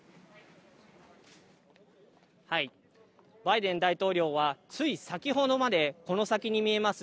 バイデン大統領は、つい先程まで、この先に見えます